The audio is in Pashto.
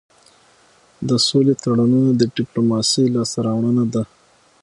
د سولې تړونونه د ډيپلوماسی لاسته راوړنه ده.